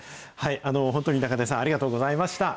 本当に中出さん、ありがとうございました。